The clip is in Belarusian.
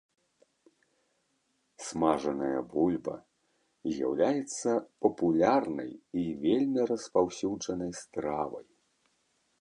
Смажаная бульба з'яўляецца папулярнай і вельмі распаўсюджанай стравай.